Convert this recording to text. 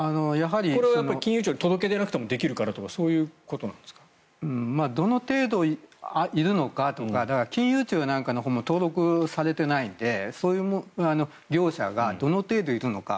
これは金融庁に届け出なくてもできるからとかどの程度いるのかとか金融庁か何かのほうも登録されていないのでそういう業者がどの程度いるのか